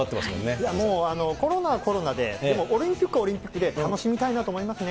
いやもう、コロナはコロナで、でもオリンピックはオリンピックで、楽しみたいなと思いますね。